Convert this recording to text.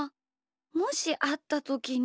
もしあったときに。